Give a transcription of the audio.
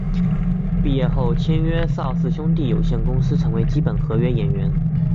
毕业后签约邵氏兄弟有限公司成为基本合约演员。